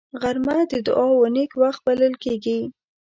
غرمه د دعاو نېک وخت بلل کېږي